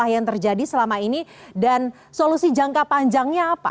apa yang terjadi selama ini dan solusi jangka panjangnya apa